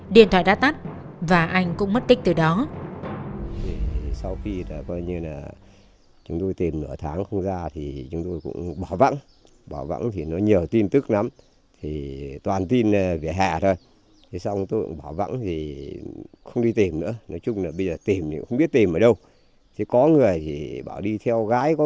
điện thoại đã tắt và anh cũng mất tích từ đó